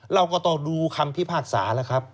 เราก็ต้องดูคำพิพากษาแล้วครับ